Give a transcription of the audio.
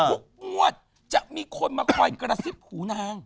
ทุกงวดจะมีคนมาคอยกระซิบหูนาง